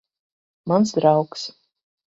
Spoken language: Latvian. Mans draugs.